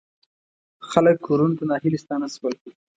خلک کورونو ته ناهیلي ستانه شول.